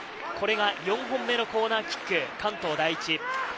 これが４本目のコーナーキック、関東第一。